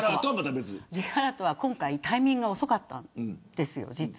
Ｊアラートは今回タイミングが遅かったんです。